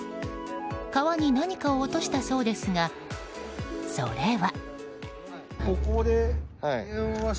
川に何かを落としたそうですがそれは。